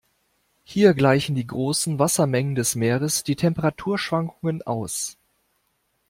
Hier gleichen die großen Wassermengen des Meeres die Temperaturschwankungen aus.